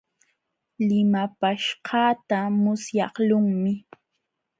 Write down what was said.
Limapaaśhqaata musyaqlunmi.